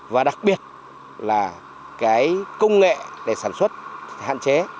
và đặc biệt là cái công nghệ để sản xuất hạn chế